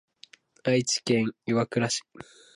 愛知県岩倉市